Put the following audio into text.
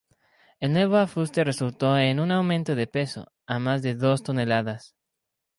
El nuevo afuste resultó en un aumento de peso, a más de dos toneladas.